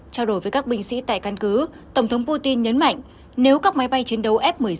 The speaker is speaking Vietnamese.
trao đổi với các binh sĩ tại căn cứ tổng thống putin nhấn mạnh nếu các máy bay chiến đấu f một mươi sáu